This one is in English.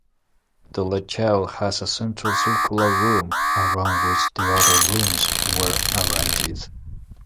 The layout has a central circular room around which the other rooms were arranged.